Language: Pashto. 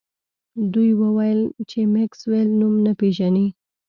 دوی وویل چې میکسویل نوم نه پیژني